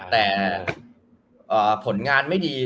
แต่ผลงานไม่ดี